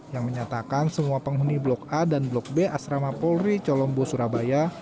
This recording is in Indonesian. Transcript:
yang menyatakan semua penghuni blok a dan blok b asrama polri colombo surabaya